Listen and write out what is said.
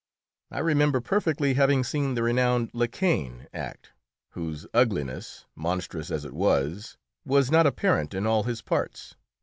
I remember perfectly having seen the renowned Lekain act, whose ugliness, monstrous as it was, was not apparent in all his parts.